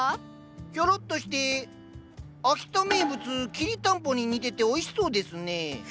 ひょろっとして秋田名物きりたんぽに似てておいしそうですねぇ。